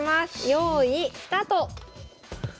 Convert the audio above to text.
用意スタート。